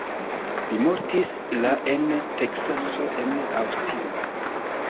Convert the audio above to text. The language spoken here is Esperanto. Li mortis la en Teksaso en Aŭstino.